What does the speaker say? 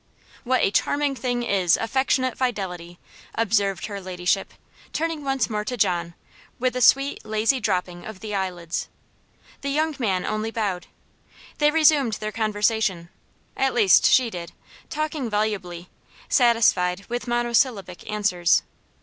"What a charming thing is affectionate fidelity," observed her ladyship, turning once more to John, with a sweet, lazy dropping of the eyelids. The young man only bowed. They resumed their conversation at least, she did, talking volubly; satisfied with monosyllabic answers.